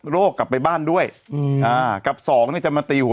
กลับไปบ้านด้วยอืมอ่ากับสองเนี่ยจะมาตีหัว